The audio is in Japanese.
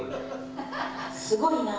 すごいな。